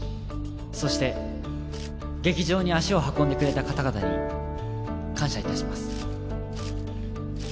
そして劇場に足を運んでくれた方々に感謝いたします。